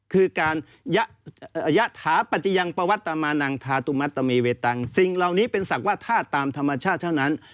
คือการสิ่งเหล่านี้เป็นศักดิ์ว่าธาตุตามธรรมชาติเท่านั้น